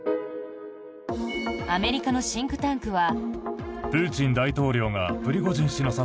アメリカのシンクタンクは。